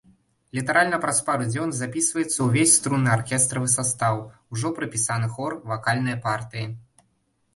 Літаральна праз пару дзён запісваецца ўвесь струнны аркестравы састаў, ужо прапісаны хор, вакальныя партыі.